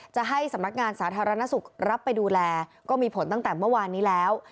จะให้สำนักงานสาธารณสุขรับไปดูแลก็มีผลตั้งแต่เมื่อวานนี้แล้ว